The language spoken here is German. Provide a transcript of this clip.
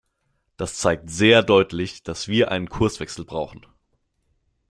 Das zeigt sehr deutlich, dass wir einen Kurswechsel brauchen.